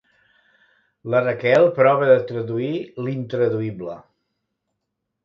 La Raquel prova de traduir l'intraduïble.